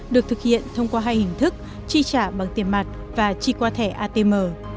được thực hiện thông qua hai hình thức chi trả bằng tiền mặt và chi qua thẻ atm